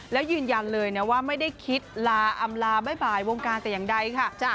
แล้วยืนยันเลยนะว่าไม่ได้คิดลาอำลาบ๊ายบายวงการแต่อย่างใดค่ะ